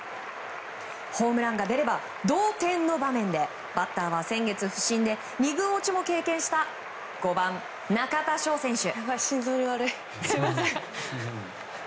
ホームランが出れば同点の場面で、バッターは先月、不振で２軍落ちも経験した５番、中田翔選手。